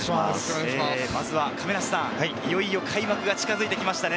まず亀梨さん、いよいよ開幕が近づいてきましたね。